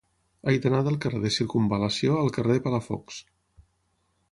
He d'anar del carrer de Circumval·lació al carrer de Palafox.